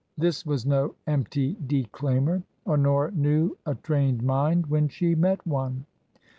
This was no empty declaimer. Honora knew a trained mind when she met one.